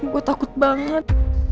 gue takut banget